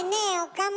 岡村。